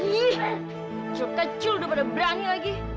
kecil kecil udah pada berani lagi